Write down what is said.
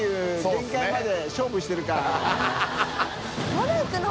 まだいくの？